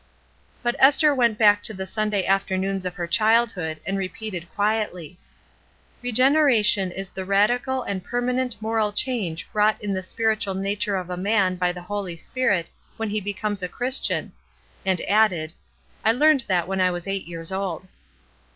But Esther went back to the Sunday after noons of her childhood, and repeated quietly: "Regeneration is the radical and permanent moral change wrought in the spiritual nature of a man by the Holy Spirit when he becomes a Christian," and added, "I learned that when I was eight years old."